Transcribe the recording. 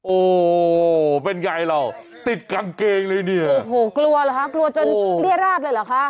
โอ้โหเป็นไงเราติดกางเกงเลยเนี่ยโอ้โหกลัวเหรอคะกลัวจนเรียราชเลยเหรอคะ